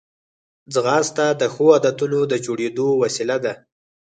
ځغاسته د ښو عادتونو د جوړېدو وسیله ده